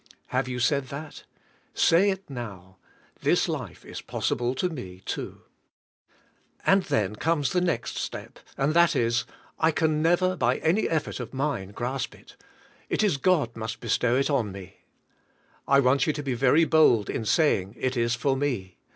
Have you said that? Say it now: "This life is possible to me, too." 54 ENTRANCE INTO REST And then comes the next step, and that is: "I can never, by any effort of mine, grasp it; it is God must bestow it on me." I want you to be very bold in saying, "It is for me."